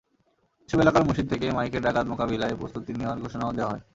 এসব এলাকার মসজিদ থেকে মাইকে ডাকাত মোকাবিলায় প্রস্তুতি নেওয়ার ঘোষণাও দেওয়া হয়।